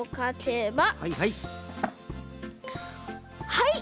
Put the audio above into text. はい！